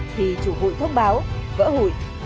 thì chủ hủy thông báo vỡ hủy